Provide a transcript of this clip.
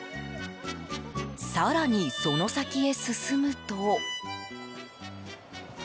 更に、その先へ進むと。